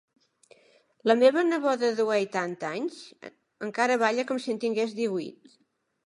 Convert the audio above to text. La meva neboda de huitanta anys encara balla com si en tingués díhuit.